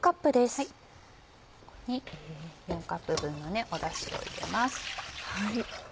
ここに４カップ分のダシを入れます。